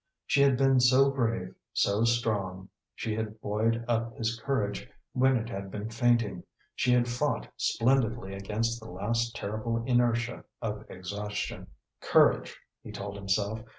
She had been so brave, so strong. She had buoyed up his courage when it had been fainting; she had fought splendidly against the last terrible inertia of exhaustion. "Courage!" he told himself.